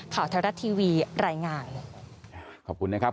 แถวรัฐทีวีรายงานขอบคุณนะครับ